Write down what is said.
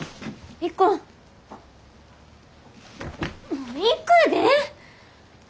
もう行くで！